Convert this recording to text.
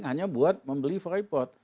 hanya buat membeli freeport